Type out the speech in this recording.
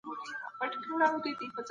هغه د کابل پوهنتون استاد پاتې شوی دی.